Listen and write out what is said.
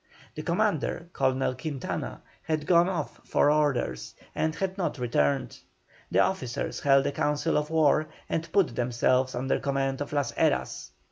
The commander, Colonel Quintana, had gone off for orders and had not returned. The officers held a council of war and put themselves under command of Las Heras.